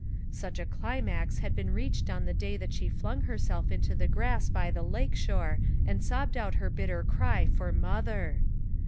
Such a climax had been reached on the day that she flung herself into the grass by the lake shore and sobbed out her bitter cry for "Mother."